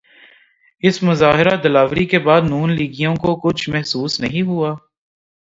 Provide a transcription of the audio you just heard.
اس مظاہرہ دلاوری کے بعد نون لیگیوں کو کچھ محسوس نہیں ہوا؟